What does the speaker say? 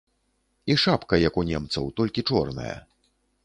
І шапка як у немцаў, толькі чорная.